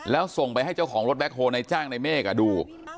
แล้วส่งไปให้เจ้าของรถแบ็คโฮลในจ้างในเมฆดู